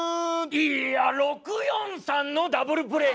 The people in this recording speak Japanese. いや６−４−３のダブルプレー。